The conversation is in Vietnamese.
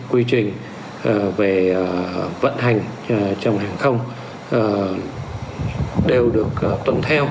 quy trình về vận hành trong hàng không đều được tuân theo